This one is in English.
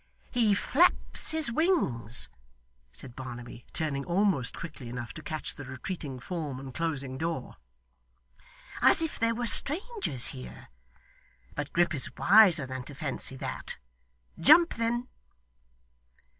'He flaps his wings,' said Barnaby, turning almost quickly enough to catch the retreating form and closing door, 'as if there were strangers here, but Grip is wiser than to fancy that. Jump then!